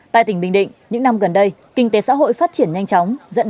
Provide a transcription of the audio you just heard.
tại tỉnh bình định những năm gần đây kinh tế xã hội phát triển nhanh chóng